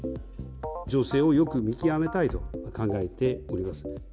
情勢をよく見極めたいと考えています。